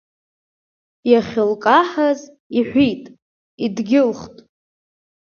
Иахьылкаҳаз, иҳәит, идгьылхт.